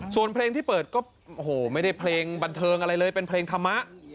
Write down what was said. ส่วนเพลงที่เปิดก็โอ้โหไม่ได้เพลงบันเทิงอะไรเลยเป็นเพลงธรรมะ